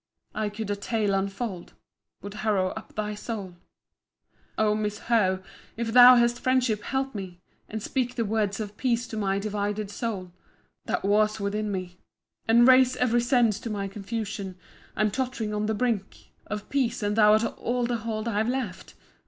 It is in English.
[I could a tale unfold—— Would harrow up thy soul——] O my Miss Howe! if thou hast friendship, help me, And speak the words of peace to my divided soul, That wars within me, And raises ev'ry sense to my confusion. I'm tott'ring on the brink Of peace; an thou art all the hold I've left!